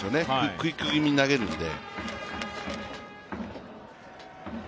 クイック気味に投げるので。